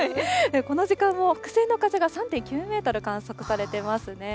この時間も北西の風が３．９メートル観測されていますね。